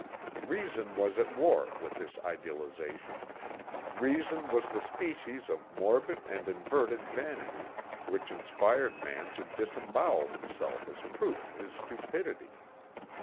Reason was at war with this idealization. Reason was the species of morbid and inverted vanity which inspired man to disembowel himself as proof of his stupidity.